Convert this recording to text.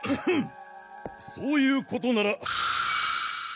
そういうことなら。